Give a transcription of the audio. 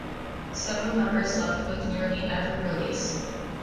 Several members left with nearly every release.